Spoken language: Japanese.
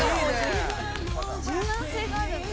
「柔軟性があるんだ」